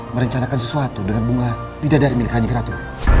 merencanakan sesuatu dengan bunga pidadari milik kan jem keratu